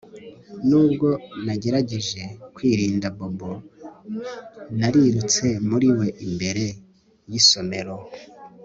Nubwo nagerageje kwirinda Bobo narirutse muri we imbere yisomero